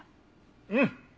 うん！